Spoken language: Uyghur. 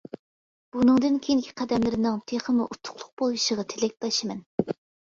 بۇنىڭدىن كېيىنكى قەدەملىرىنىڭ تېخىمۇ ئۇتۇقلۇق بولۇشىغا تىلەكداشمەن.